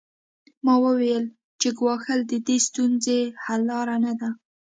ما وویل چې ګواښل د دې ستونزې حل لاره نه ده